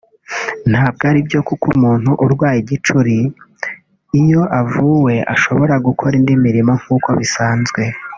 ntabwo aribyo kuko umuntu urwaye igicuri iyo avuwe ashobora gukora indi mirimo nk’uko bisanzwe